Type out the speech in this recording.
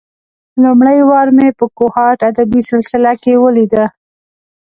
لومړۍ وار مې په کوهاټ ادبي سلسله کې ولېده.